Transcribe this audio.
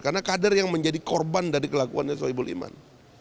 karena kader yang menjadi korban dari kelakuannya soebul iman